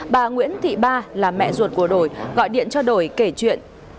bà nguyễn thị ba là mẹ ruột của đội gọi điện cho đội kể chuyện